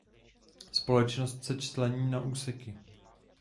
Společnost se člení na úseky.